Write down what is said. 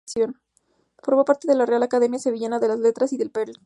Formó parte de la "Real Academia Sevillana de las Letras" y del "Pen Club".